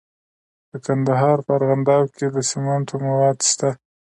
د کندهار په ارغنداب کې د سمنټو مواد شته.